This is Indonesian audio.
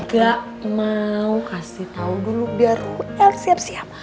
nggak mau kasih tau dulu biar el siap siap